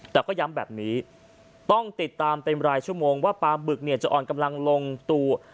แต่ก็ย้ำแบบนี้ต้องติดตามเป็นรายชั่วโมงว่าปลาบึกเนี่ยจะอ่อนกำลังลงตัว